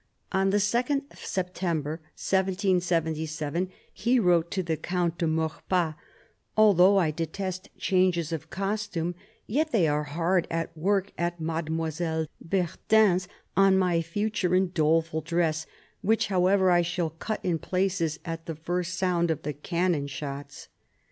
On 2nd September, 1777 he wrote to the Count de Maurepas, "Although I detest changes of costume, yet they are hard at work at Mademoiselle Bertin's on my future and doleful dress, which however I shall cut in pieces at the first sound of the cannon shots."